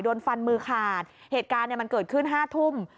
โดนฟันมือขาดเหตุการณ์เนี่ยมันเกิดขึ้น๕ทุ่ม